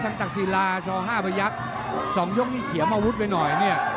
จากตักซีลาสองห้าประยักษณ์สองยกมีเขียวอาวุธไปหน่อยเนี่ย